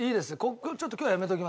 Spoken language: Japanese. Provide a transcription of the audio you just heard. ちょっと今日やめときます。